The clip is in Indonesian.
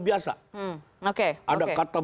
biasa ada kata